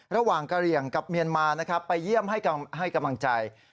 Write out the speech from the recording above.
ระหว่างกะเหลี่ยงกับเมียนมานะครับไปเยี่ยมให้กำให้กำลังใจ